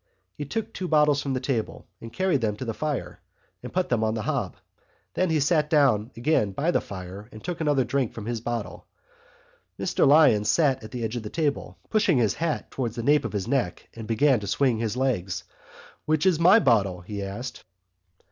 He took two bottles from the table and, carrying them to the fire, put them on the hob. Then he sat down again by the fire and took another drink from his bottle. Mr Lyons sat on the edge of the table, pushed his hat towards the nape of his neck and began to swing his legs. "Which is my bottle?" he asked.